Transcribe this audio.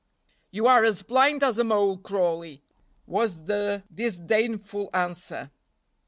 "You are as blind as a mole, Crawley," was the disdainful answer.